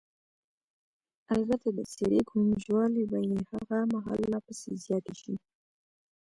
البته د څېرې ګونجوالې به یې هغه مهال لا پسې زیاتې شوې.